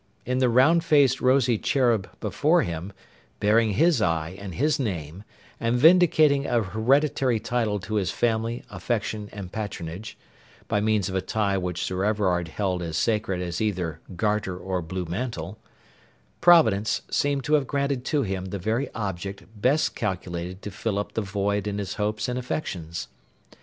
In the round faced rosy cherub before him, bearing his eye and his name, and vindicating a hereditary title to his family, affection, and patronage, by means of a tie which Sir Everard held as sacred as either Garter or Blue mantle, Providence seemed to have granted to him the very object best calculated to fill up the void in his hopes and affections.